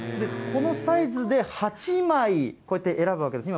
このサイズで８枚、こうやって選ぶわけです。